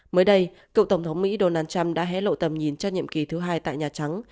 mới đây cựu tổng thống mỹ donald trump đã hé lộ tầm nhìn cho nhiệm kỳ thứ hai tại nhà trắng